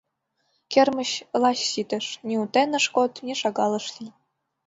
Кермыч лач ситыш: ни утен ыш код, ни шагал ыш лий.